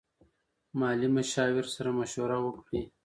مالي مشاور سره مشوره وکړئ.